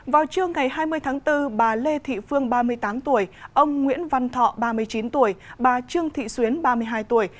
vào trưa ngày hai mươi tháng bốn bà lê thị phương ba mươi tám tuổi ông nguyễn văn thọ ba mươi chín tuổi bà trương thị xuyến ba mươi hai tuổi